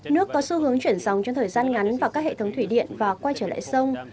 nước có xu hướng chuyển dòng trong thời gian ngắn vào các hệ thống thủy điện và quay trở lại sông